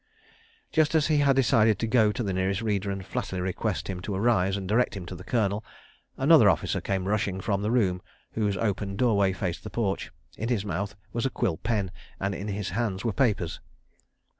Just as he had decided to go to the nearest reader and flatly request him to arise and direct him to the Colonel, another officer came rushing from the room whose open doorway faced the porch. In his mouth was a quill pen, and in his hands were papers.